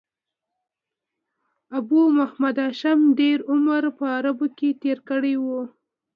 ابو محمد هاشم ډېر عمر په عربو کښي تېر کړی وو.